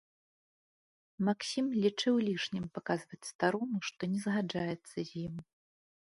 Максім лічыў лішнім паказваць старому, што не згаджаецца з ім.